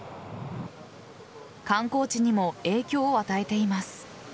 観光地にも影響を与えています。